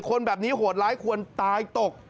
คนแบบนี้โหดร้ายควรตายตก